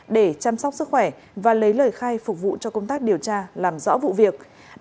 để chăm sóc sức khỏe và lấy lời khai phục vụ cho công tác điều tra làm rõ vụ việc